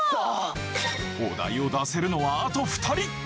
お題を出せるのはあと２人。